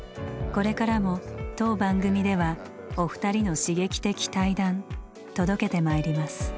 これからも当番組ではお二人の刺激的対談届けてまいります。